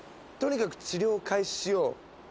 とにかく治療を開始しよう。